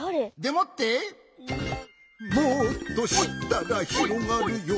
「もっとしったらひろがるよ」